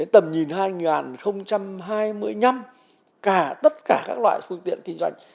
tầm nhìn hai hai mươi năm tất cả các loại phương tiện kinh doanh